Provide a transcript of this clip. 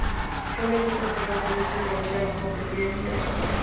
Fue elegido por los Obispos de Honduras como presidente de la conferencia.